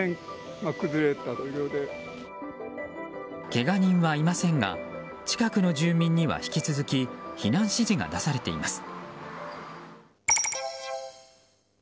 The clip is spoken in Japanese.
けが人はいませんが近くの住民には引き続き避難指示が出されています。